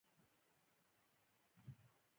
زه په یوه کوڅه کې چې ونې پکې وې روان وم.